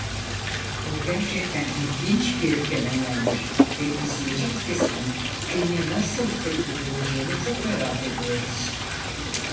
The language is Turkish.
Bu gerçekten ilginç bir fenomendir ve izleyici kitlesinin filme nasıl tepki vereceğini çok merak ediyoruz.